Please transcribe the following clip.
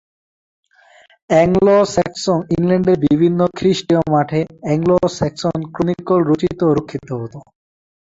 Anglo-Saxon ইংল্যান্ডের বিভিন্ন খ্রিস্টীয় মঠে "অ্যাংলো-স্যাক্সন ক্রনিকল" রচিত ও রক্ষিত হত।